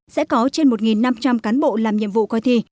sẽ có trên một năm trăm linh cán bộ làm nhiệm vụ coi thi